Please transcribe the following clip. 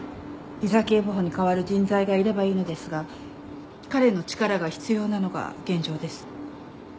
井沢警部補に代わる人材がいればいいのですが彼の力が必要なのが現状です。